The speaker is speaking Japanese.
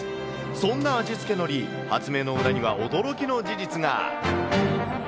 そんな味付け海苔、発明の裏には驚きの事実が。